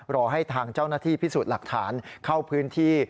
รอให้ทางเจ้าหน้าที่พิสูจน์หลักฐานเข้าพื้นที่